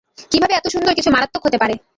কিভাবে এত সুন্দর কিছু মারাত্মক হতে পারে।